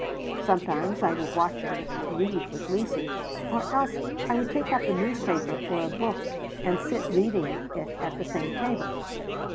Sometimes I would watch her read with Lucy. Or else I would take up a newspaper or a book and sit reading it at the same table.